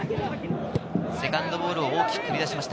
セカンドボールを大きく蹴り出しました。